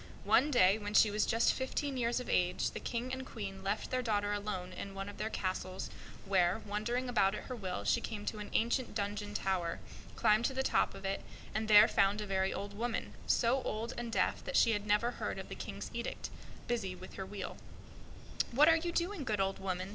One day when she was just fifteen years of age, the King and Queen left their daughter alone in one of their castles, where, wandering about at her will, she came to a little room in the top of a tower, and there found a very old woman, who had not heard of the King's edict, busy with her spinning wheel. "What are you doing, good old woman?"